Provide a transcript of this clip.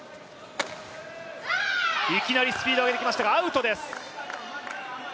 いきなりスピード上げてきましたがアウトです。